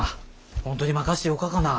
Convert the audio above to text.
本当に任せてよかっかな。